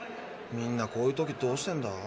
みんなこういう時どうしてるんだ？